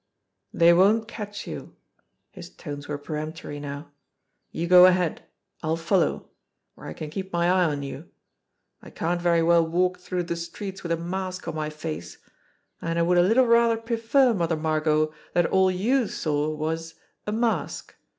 "They won't catch you." His tones were peremptory now. "You go ahead. I'll follow where I can keep my eye on you. I can't very well walk through the streets with a mask on my face, and I would a little rather prefer, Mother Mar got, that all you saw was a mask.